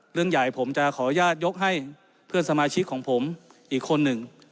เรื่องใหญ่ผมจะขออนุญาตยกให้เพื่อนสมาชิกของผมอีกคนหนึ่ง